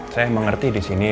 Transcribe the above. saya mengerti disini